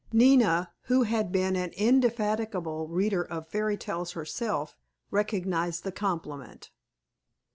Nina, who had been an indefatigable reader of fairy tales herself, recognized the compliment.